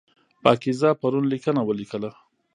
پاکیزه پرون لیکنه ولیکله.